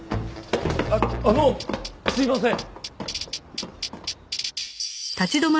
あっあのすみません。